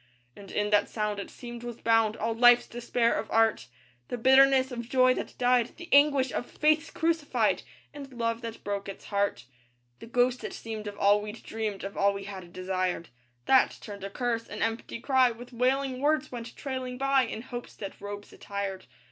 And in that sound, it seemed, was bound All life's despair of art; The bitterness of joy that died; The anguish of faiths crucified; And love that broke its heart. The ghost it seemed of all we'd dreamed, Of all we had desired; That turned a curse, an empty cry With wailing words went trailing by In hope's dead robes attired.